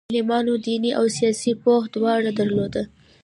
علماوو دیني او سیاسي پوهه دواړه درلوده.